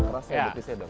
rasanya betis ya dok